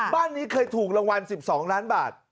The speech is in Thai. บ้านนี้เคยถูกรางวัล๑๒ล้านบาท